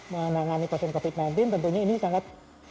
menangani pasien covid sembilan belas tentunya ini sangat